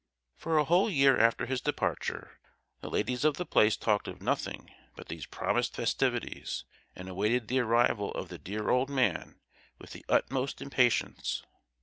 For a whole year after his departure, the ladies of the place talked of nothing but these promised festivities; and awaited the arrival of the "dear old man" with the utmost impatience.